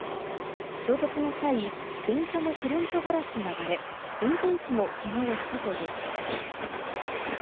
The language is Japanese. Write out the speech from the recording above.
衝突の際、電車のフロントガラスが割れ、運転士もけがをしたということです。